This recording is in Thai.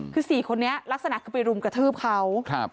คือ๔คนนี้ลักษณะคือไปรุมกระทืบเขา